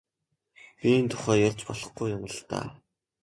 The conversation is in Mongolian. Би энэ тухай ярьж болохгүй юм л даа.